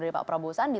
dari pak prabowo sandi